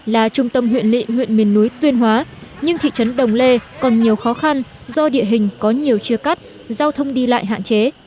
là trung tâm huyện lị huyện miền núi tuyên hóa nhưng thị trấn đồng lê còn nhiều khó khăn do địa hình có nhiều chia cắt giao thông đi lại hạn chế